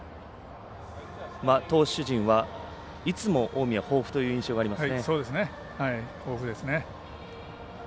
投手陣は、いつも近江は豊富という印象があります。